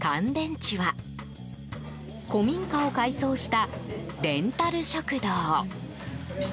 知は古民家を改装したレンタル食堂。